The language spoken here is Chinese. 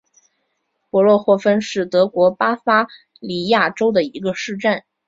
皮伦霍芬是德国巴伐利亚州的一个市镇。